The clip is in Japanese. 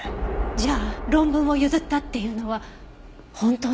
じゃあ論文を譲ったっていうのは本当だった？